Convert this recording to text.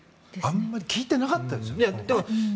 あまり聞いてなかったですよね。